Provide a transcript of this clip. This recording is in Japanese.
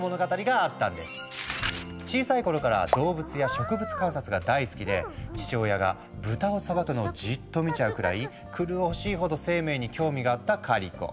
小さい頃から動物や植物観察が大好きで父親が豚をさばくのをじっと見ちゃうくらい狂おしいほど生命に興味があったカリコ。